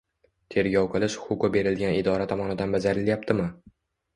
tergov qilish huquqi berilgan idora tomonidan bajarilyaptimi?